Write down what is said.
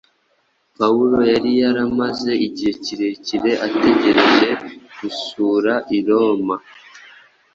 Pawulo yari yaramaze igihe kirekire ategereje gusura i Roma.